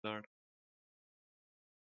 د هغه لاسونه تړلي وو او د دفتر لور ته لاړ